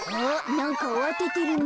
なんかあわててるね。